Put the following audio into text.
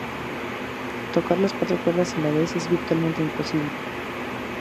Tocar las cuatro cuerdas a la vez es virtualmente imposible.